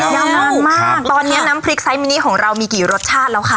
ยาวนานมากตอนนี้น้ำพริกไซสมินิของเรามีกี่รสชาติแล้วค่ะ